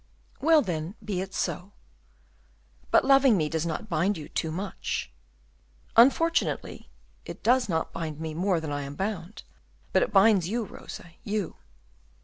"Well, then, be it so; but loving me does not bind you too much." "Unfortunately, it does not bind me more than I am bound; but it binds you, Rosa, you."